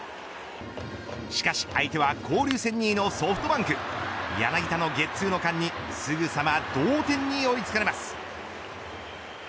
しかし相手は交流戦２位のソフトバンク柳田のゲッツーの間にすぐさま同点に追いつかれます。